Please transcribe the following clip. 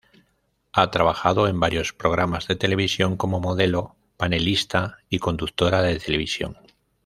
Ha trabajado en varios programas de televisión, como modelo, panelista y conductora de televisión.